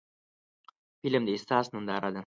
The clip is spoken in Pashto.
فلم د احساس ننداره ده